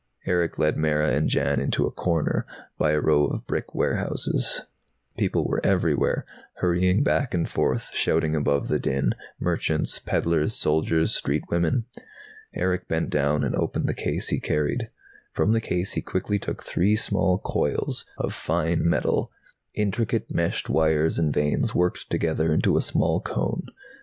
Erick led Mara and Jan into a corner, by a row of brick warehouses. People were everywhere, hurrying back and forth, shouting above the din, merchants, peddlers, soldiers, street women. Erick bent down and opened the case he carried. From the case he quickly took three small coils of fine metal, intricate meshed wires and vanes worked together into a small cone.